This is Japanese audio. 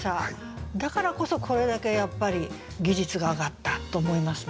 だからこそこれだけやっぱり技術が上がったと思いますね。